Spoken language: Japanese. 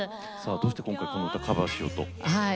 どうして今回この歌をカバーしようと？